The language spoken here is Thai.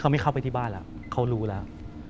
เขาไม่เข้าไปที่บ้านแล้วเขารู้แล้ว